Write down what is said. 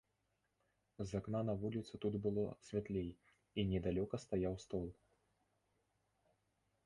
З акна на вуліцу тут было святлей, і недалёка стаяў стол.